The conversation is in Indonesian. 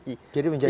jadi menjadi begitu